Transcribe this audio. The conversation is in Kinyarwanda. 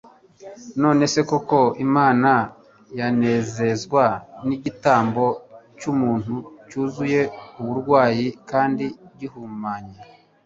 none se koko imana yanezezwa n'igitambo cy'umuntu cyuzuye uburwayi kandi gihumanye